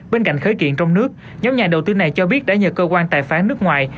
bên cạnh khởi kiện trong nước nhóm nhà đầu tư này cho biết đã nhờ cơ quan tài phán nước ngoài